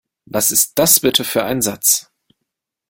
Was ist das bitte für ein Satz?